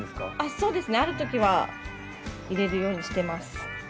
そうですねあるときは入れるようにしてます。